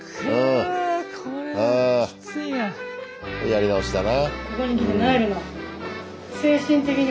やり直しだな。